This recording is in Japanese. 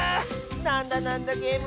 「なんだなんだゲーム」